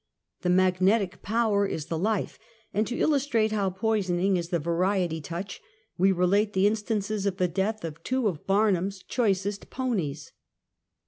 The magnetic power is the life, and to illustrate how poisoning is the variety touch, we relate the instances of the deaths of two of Barnum's choicest ponies.